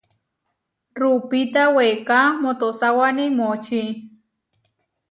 Ruupita weeká motosáwani moʼočí.